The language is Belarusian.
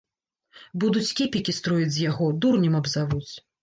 Будуць кепікі строіць з яго, дурнем абзавуць.